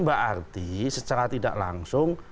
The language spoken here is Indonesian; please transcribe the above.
berarti secara tidak langsung